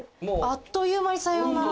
あっという間にさようなら。